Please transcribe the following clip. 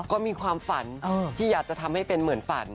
ก็มีความฝันที่อยากจะทำให้เป็นเหมือนฝัน